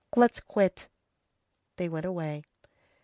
Let's quit." They went away.